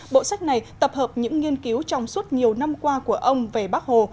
bộ sách này tập hợp những nghiên cứu trong suốt nhiều năm qua của ông về bác hồ